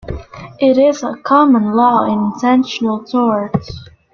It is a common law intentional tort.